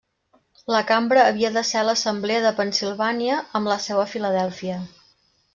La cambra havia de ser l'assemblea de Pennsilvània amb la seu a Filadèlfia.